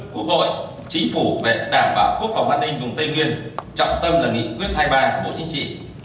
của hội chính phủ về đảm bảo quốc phòng an ninh vùng tây nguyên trọng tâm là nghị quyết hai mươi ba của bộ chính trị